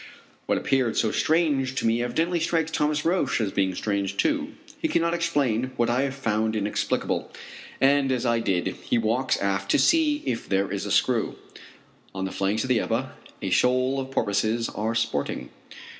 What appeared so strange to me evidently strikes Thomas Roch as being strange, too. He cannot explain what I found inexplicable, and, as I did, he walks aft to see if there is a screw. On the flanks of the Ebba a shoal of porpoises are sporting.